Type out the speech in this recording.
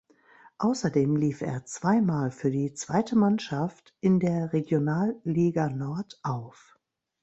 Außerdem lief er zweimal für die zweite Mannschaft in der Regionalliga Nord auf.